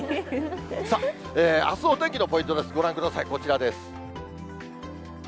さあ、あすのお天気のポイントです、ご覧ください、こちらです。